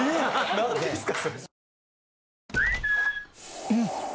何ですか？